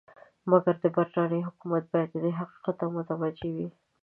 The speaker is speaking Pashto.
مګر د برټانیې حکومت باید دې حقیقت ته متوجه وي.